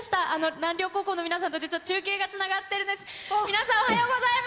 南稜高校の皆さんと実は中継がつながっているんです。